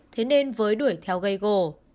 thế nên với đuổi theo gây gổ